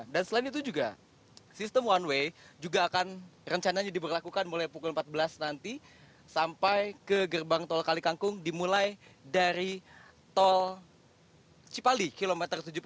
dan selain itu juga sistem one way juga akan rencananya diberlakukan mulai pukul empat belas nanti sampai ke gerbang tol kalikangkung dimulai dari tol cipali kilometer tujuh puluh dua